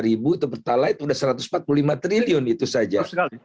itu bertalah itu sudah satu ratus empat puluh lima triliun itu saja